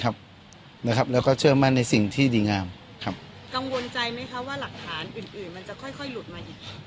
แล้วก็เชื่อมั่นในสิ่งที่ดีงามครับกังวลใจไหมคะว่าหลักฐานอื่นอื่นมันจะค่อยค่อยหลุดมาอีก